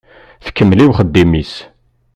Tkemmel i uxeddim-is.